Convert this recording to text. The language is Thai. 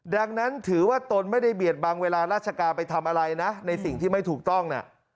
ดังนั้นถือว่าตนไม่ได้เบียดบังเวลาราชการไปทำอะไรนะในสิ่งที่ไม่ถูกต้อง